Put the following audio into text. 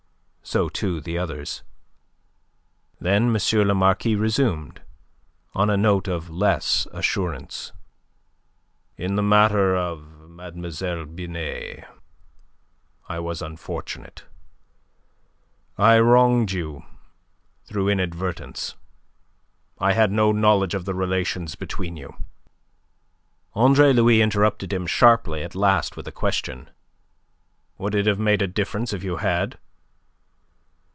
So, too, the others. Then M. le Marquis resumed, on a note of less assurance. "In the matter of Mlle. Binet I was unfortunate. I wronged you through inadvertence. I had no knowledge of the relations between you." Andre Louis interrupted him sharply at last with a question: "Would it have made a difference if you had?"